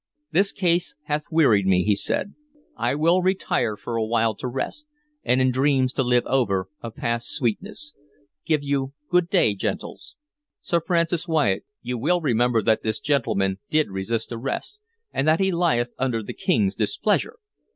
"This case hath wearied me," he said. "I will retire for a while to rest, and in dreams to live over a past sweetness. Give you good day, gentles! Sir Francis Wyatt, you will remember that this gentleman did resist arrest, and that he lieth under the King's displeasure!"